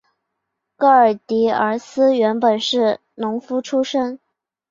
戈耳狄俄斯原本是农夫出身。